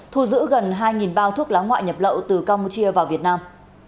thu giữ gần hai bao thuốc lá ngoại nhập lậu từ campuchia vào việt nam